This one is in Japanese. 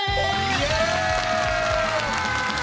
イエーイ！